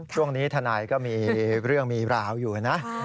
ช่วงนี้ทนายก็มีเรื่องมีราวอยู่นะ